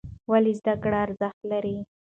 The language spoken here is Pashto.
ولې زده کړه ارزښت لري؟